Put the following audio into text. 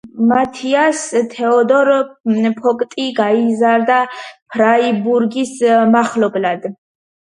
მათიას თეოდორ ფოგტი გაიზარდა ფრაიბურგის მახლობლად.